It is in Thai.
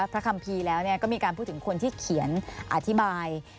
คัมภีร์แล้วก็มีการพูดถึงคนที่เขียนอธิบาย